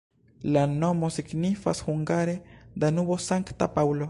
La nomo signifas hungare Danubo-Sankta Paŭlo.